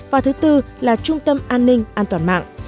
và thứ tư là trung tâm an ninh an toàn mạng